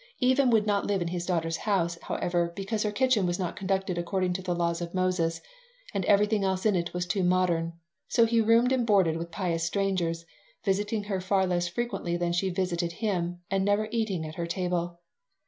Even would not live in his daughter's house, however, because her kitchen was not conducted according to the laws of Moses, and everything else in it was too modern. So he roomed and boarded with pious strangers, visiting her far less frequently than she visited him and never eating at her table.